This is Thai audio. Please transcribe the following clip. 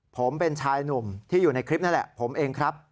ผมเป็นชายหนุ่มที่อยู่ในคลิปนั่นแหละผมเองครับ